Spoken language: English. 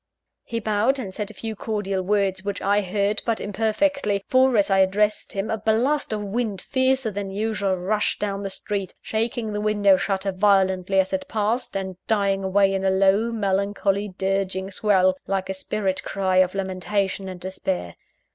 He bowed and said a few cordial words, which I heard but imperfectly for, as I addressed him, a blast of wind fiercer than usual, rushed down the street, shaking the window shutter violently as it passed, and dying away in a low, melancholy, dirging swell, like a spirit cry of lamentation and despair.